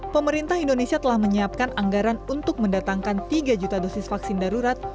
pemerintah indonesia telah menyiapkan anggaran untuk mendatangkan tiga juta dosis vaksin darurat